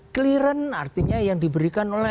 clearance artinya yang diberikan oleh